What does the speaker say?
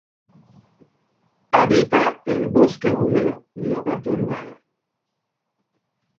Habita en bosque húmedo no perturbado.